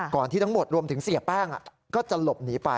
ที่ทั้งหมดรวมถึงเสียแป้งก็จะหลบหนีไป